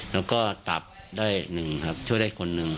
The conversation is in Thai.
แล้วก็ตับได้หนึ่งครับช่วยได้คนหนึ่ง